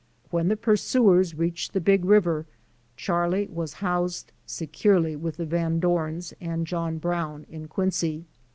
When the pur suers reached the big river Charlie was housed securely with the Van Dorns and John Brown in Quincy.